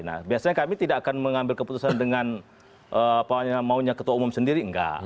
nah biasanya kami tidak akan mengambil keputusan dengan maunya ketua umum sendiri enggak